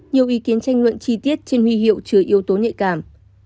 nhiều ý kiến tranh luận chi tiết trên huy hiệu chứa yếu tố nhạy cảm